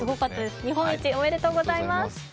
日本一、おめでとうございます。